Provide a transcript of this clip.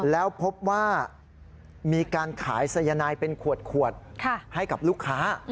แล้วพบว่ามีการขายสายนายเป็นขวดให้กับลูกค้า